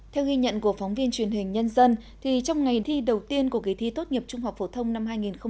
theo ghi nhận của phóng viên truyền hình nhân dân trong ngày thi đầu tiên của kỳ thi tốt nghiệp trung học phổ thông năm hai nghìn hai mươi